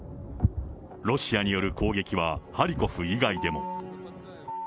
ロシアによる攻撃は、ハリコフ以外でも。